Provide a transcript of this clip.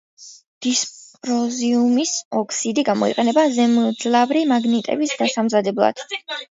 დისპროზიუმის ოქსიდი გამოიყენება ზემძლავრი მაგნიტების დასამზადებლად.